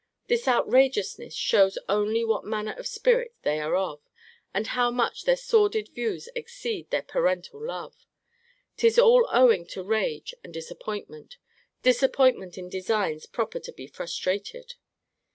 This outrageousness shows only what manner of spirit they are of, and how much their sordid views exceed their parental love. 'Tis all owing to rage and disappointment disappointment in designs proper to be frustrated.